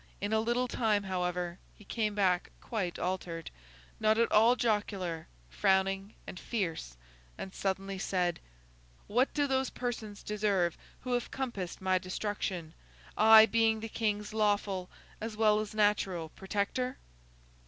In a little time, however, he came back quite altered—not at all jocular—frowning and fierce—and suddenly said,— 'What do those persons deserve who have compassed my destruction; I being the King's lawful, as well as natural, protector?